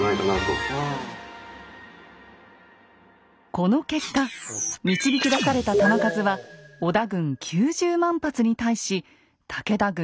この結果導き出された弾数は織田軍９０万発に対し武田軍５万発。